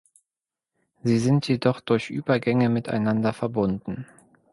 Sie sind jedoch durch Übergänge miteinander verbunden.